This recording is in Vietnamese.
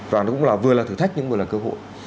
và nó cũng vừa là thử thách nhưng cũng vừa là cơ hội